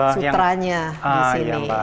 sutranya di sini